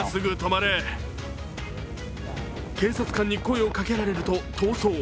警察官に声をかけられると逃走。